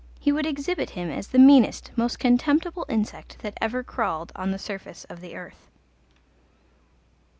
He would exhibit him as the meanest, most contemptible insect that ever crawled on the surface of the earth.